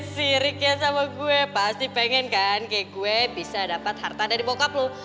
siriknya sama gue pasti pengen kan kayak gue bisa dapat harta dari bokap loh